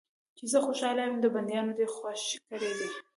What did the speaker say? چې زه خوشاله یم چې بندیان دې خوشي کړي دي.